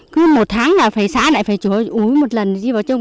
cứ một tháng là phải xã lại phải chối úi một lần đi vào chung